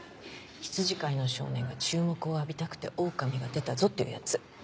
羊飼いの少年が注目を浴びたくて「オオカミが出たぞ」って言うやつ。